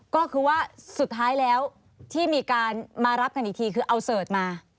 ก็คือว่าสุดท้ายแล้วที่มีการมารับกันอีกทีคือเอาเสิร์ชมา